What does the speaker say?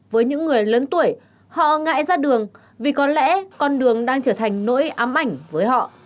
với những người lớn tuổi họ ngại ra đường vì có lẽ con đường đang trở thành nỗi ám ảnh với họ